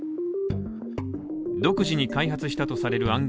独自に開発したとされる暗号